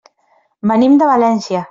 Venim de València.